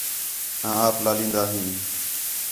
آں آپ لالین٘دا ہیں